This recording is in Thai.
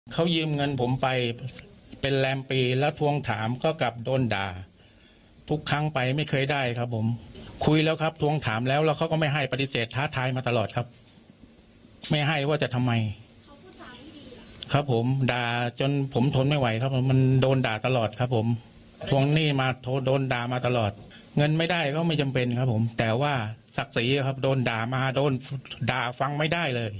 เขายืมเงินผมไปเป็นแรมปีแล้วทวงถามก็กลับโดนด่าทุกครั้งไปไม่เคยได้ครับผมคุยแล้วครับทวงถามแล้วแล้วเขาก็ไม่ให้ปฏิเสธท้าทายมาตลอดครับไม่ให้ว่าจะทำไมครับผมด่าจนผมทนไม่ไหวครับผมมันโดนด่าตลอดครับผมทวงหนี้มาโดนด่ามาตลอดเงินไม่ได้ก็ไม่จำเป็นครับผมแต่ว่าศักดิ์ศรีครับโดนด่ามาโดนด่าฟังไม่ได้เลย